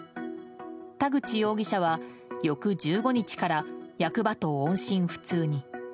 田口容疑者は翌１５日から役場と音信不通に。